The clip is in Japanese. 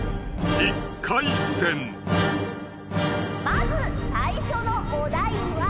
まず最初のお題は。